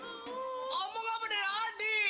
omong apa dari adi